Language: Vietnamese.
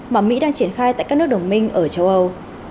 mà mỹ đang triển khai tại các nước đồng minh ở châu âu